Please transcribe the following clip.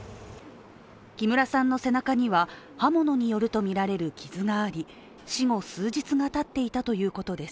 木村さんの背中には刃物によるとみられる傷があり、死後数日がたっていたということです。